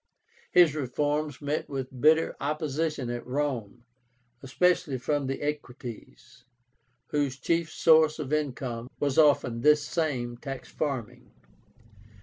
His reforms met with bitter opposition at Rome, especially from the Equites, whose chief source of income was often this same tax farming.